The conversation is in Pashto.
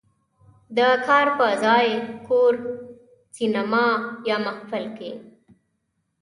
"د کار په ځای، کور، سینما یا محفل" کې